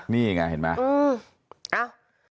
นี่ไงเห็นไหม